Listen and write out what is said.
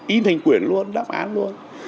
in hình quyển luôn đáp án luôn